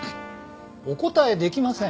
お答え出来ません。